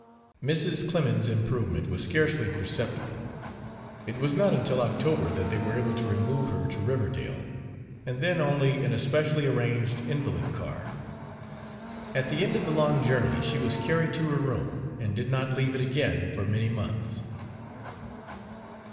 Mrs. Clemens's improvement was scarcely perceptible. It was not until October that they were able to remove her to Riverdale, and then only in a specially arranged invalid car. At the end of the long journey she was carried to her room and did not leave it again for many months.